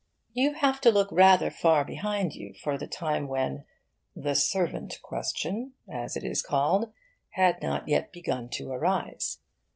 You have to look rather far behind you for the time when 'the servant question,' as it is called, had not yet begun to arise.